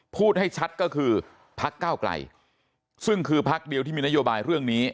พูดให้ชัดก็คือพักเก้าไกลซึ่งคือพักเดียวที่มีนโยบายเรื่องนี้